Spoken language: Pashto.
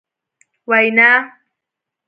وینا ...